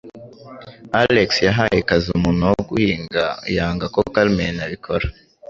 Alex yahaye akazi umuntu wo guhinga, yanga ko Carmen abikora.